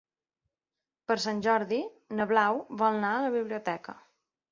Per Sant Jordi na Blau vol anar a la biblioteca.